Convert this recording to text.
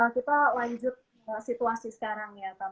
kita lanjut situasi sekarang ya